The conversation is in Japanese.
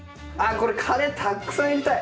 これカレーたっくさん入れたい！